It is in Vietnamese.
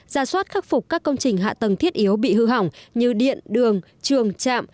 giả soát khắc phục các công trình hạ tầng thiết yếu bị hư hỏng như điện đường trường chạm